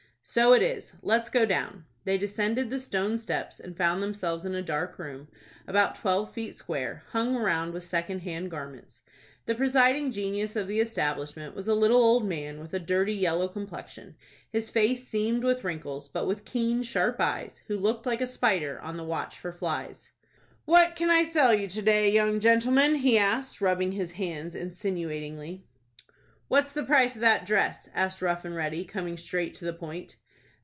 "So it is. Let's go down." They descended the stone steps, and found themselves in a dark room, about twelve feet square, hung round with second hand garments. The presiding genius of the establishment was a little old man, with a dirty yellow complexion, his face seamed with wrinkles, but with keen, sharp eyes, who looked like a spider on the watch for flies. "What can I sell you to day, young gentleman?" he asked, rubbing his hands insinuatingly. "What's the price of that dress?" asked Rough and Ready, coming straight to the point.